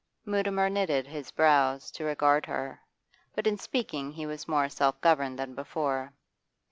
Mutimer knitted his brows to regard her. But in speaking he was more self governed than before.